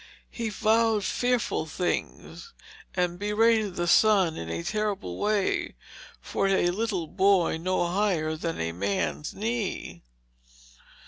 He vowed fearful things, and berated the sun in a terrible way for a little boy no higher than a man's knee.